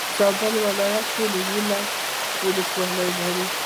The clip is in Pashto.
زابل ولايت ټولي يولس ولسوالي لري.